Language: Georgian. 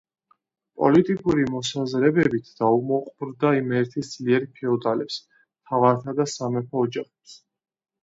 პოლიტიკური მოსაზრებებით დაუმოყვრდა იმერეთის ძლიერ ფეოდალებს, მთავართა და სამეფო ოჯახებს.